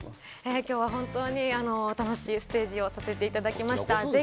今日は本当に楽しいステージをさせていただきました。